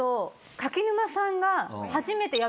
柿沼さん。